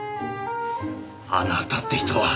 あなたって人は！